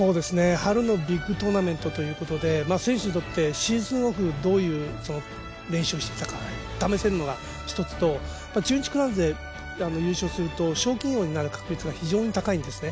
春のビッグトーナメントということで選手たちにとって、シーズンオフどういう練習をしてきたか試せるのが一つと、中日クラウンズで優勝すると賞金王になる確率が非常に高くなるんですね。